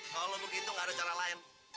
kalau lo begitu gak ada cara lain